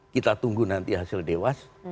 kita tunggu nanti hasil dewas